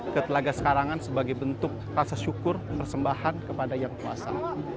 ke telaga sekarangan sebagai bentuk rasa syukur persembahan kepada yang kuasa